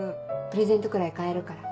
プレゼントくらい買えるから。